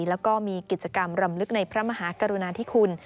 แล้วก็มีกิจกรรมรำลึกในพระมหากรุณาธิคุณ